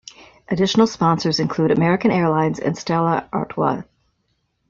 Additional sponsors include American Airlines and Stella Artois.